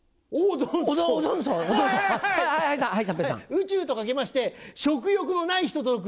宇宙と掛けまして食欲のない人と解く。